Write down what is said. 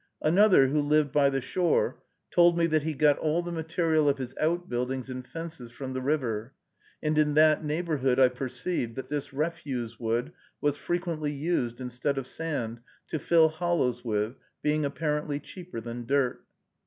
Another, who lived by the shore, told me that he got all the material of his outbuildings and fences from the river; and in that neighborhood I perceived that this refuse wood was frequently used instead of sand to fill hollows with, being apparently cheaper than dirt.